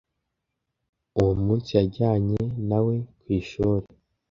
Uwo munsi yajyanye na we ku ishuri,